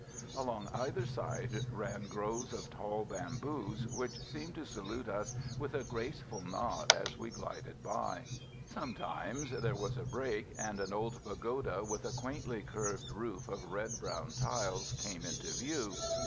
Along either side ran groves of tall bamboos, which seemed to salute us with a graceful nod as we glided by. Sometimes there was a break, and an old pagoda, with a quaintly curved roof of red brown tiles, came into view.